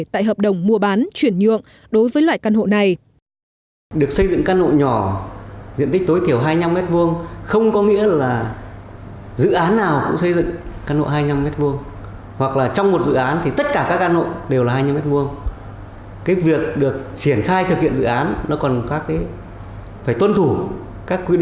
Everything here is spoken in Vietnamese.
tại hợp đồng mua bán chuyển nhượng đối với loại căn hộ này